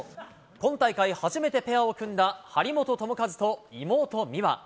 今大会初めてペアを組んだ張本智和と妹、美和。